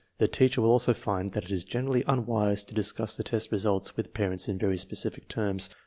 The teacher will also find that it is generally unwise to discuss the test results with parents in very specific terms.